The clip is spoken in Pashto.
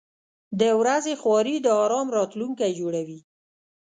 • د ورځې خواري د آرام راتلونکی جوړوي.